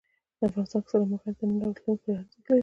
افغانستان کې سلیمان غر د نن او راتلونکي لپاره ارزښت لري.